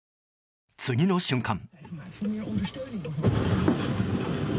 次の瞬間。